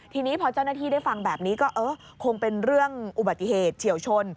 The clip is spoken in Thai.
ทีนี้พอเจ้าหน้าที่ได้ฟังแบบนี้ก็เออคงเป็นเรื่องอุบัติเหตุเฉียวชน